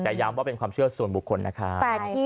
แต่ย้ำว่าเป็นความเชื่อส่วนบุคคลนะครับ